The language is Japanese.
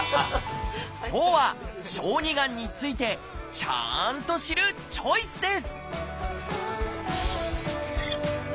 今日は小児がんについてちゃんと知る「チョイス」です